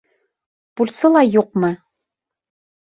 Пульсы ла юҡмы?